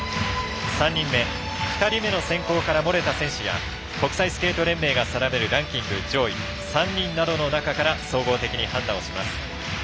３人目２人目の選考から漏れた選手や国際スケート連盟が定めるランキング上位３人の中から総合的に判断をします。